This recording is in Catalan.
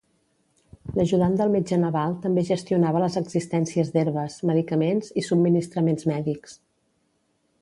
L'ajudant del metge naval també gestionava les existències d'herbes, medicaments i subministraments mèdics.